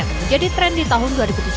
menjadi tren di tahun dua ribu tujuh belas